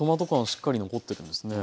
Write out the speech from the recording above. しっかり残ってるんですね。